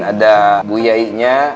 ada buyai nya